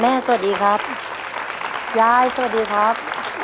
สวัสดีครับยายสวัสดีครับ